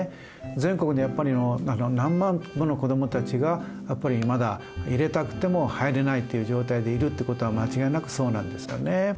全国でやっぱり何万もの子どもたちがやっぱりまだ入れたくても入れないっていう状態でいるってことは間違いなくそうなんですよね。